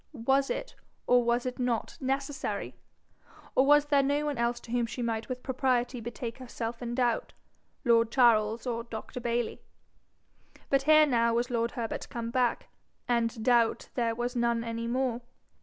Was it, or was it not, necessary? Or was there no one else to whom she might with propriety betake herself in her doubt lord Charles or Dr. Bayly? But here now was lord Herbert come back, and doubt there was none any more.